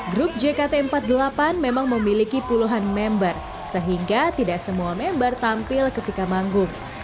grup jkt empat puluh delapan memang memiliki puluhan member sehingga tidak semua member tampil ketika manggung